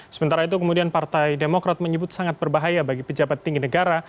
sementara itu kemudian partai demokrat menyebut sangat berbahaya bagi pejabat tinggi negara